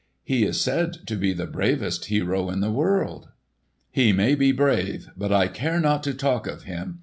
"He is said to be the bravest hero in the world." "He may be brave, but I care not to talk of him.